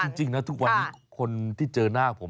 เอาจริงนะทุกวันคนที่เจอหน้าผม